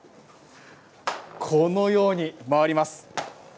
このように回ります。